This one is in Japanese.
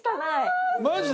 マジで？